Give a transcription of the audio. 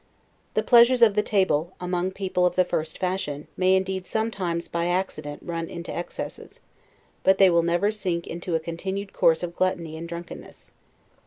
The pleasures of the table, among people of the first fashion, may indeed sometimes, by accident, run into excesses: but they will never sink into a continued course of gluttony and drunkenness.